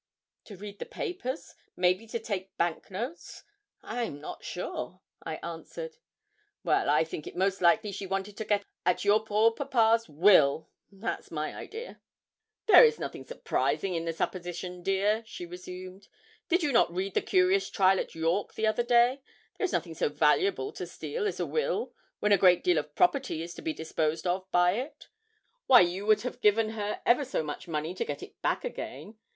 'To read the papers; maybe to take bank notes I'm not sure,' I answered. 'Well, I think most likely she wanted to get at your poor papa's will that's my idea. 'There is nothing surprising in the supposition, dear,' she resumed. 'Did not you read the curious trial at York, the other day? There is nothing so valuable to steal as a will, when a great deal of property is to be disposed of by it. Why, you would have given her ever so much money to get it back again.